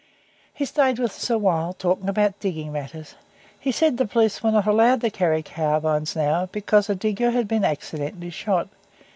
He stayed with us awhile, talking about digging matters. He said the police were not allowed to carry carbines now, because a digger had been accidentally shot.